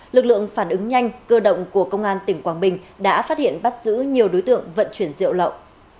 lực lượng phản ứng nhanh cơ động của công an tỉnh quảng bình đã phát hiện bắt giữ nhiều đối tượng vận chuyển rượu lậu